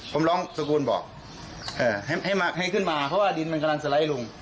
ผมร้องตะโกนบอกให้ขึ้นมาเพราะว่าดินมันกำลังสไลด์ลง